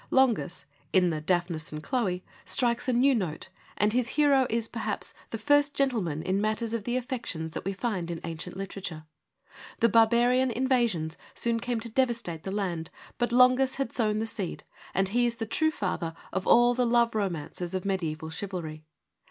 Longus, in the Daphnis and Chloe, strikes a new note, and his hero is, perhaps, the first gentleman in mat ters of the affections that we find in ancient literature. The barbarian invasions soon came to devastate the land, but Longus had sown the seed, and he is the true father of all the love romances of mediaeval chivalry.